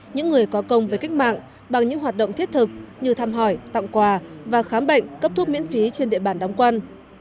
những người có công với cách mạng bằng những hoạt động thiết thực như thăm hỏi tặng quà và khám bệnh cấp thuốc miễn phí trên địa bàn đóng quân